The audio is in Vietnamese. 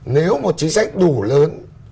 nếu một trí sách đủ lớn